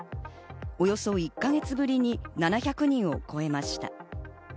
およそ１か月ぶりに７００人を超えました。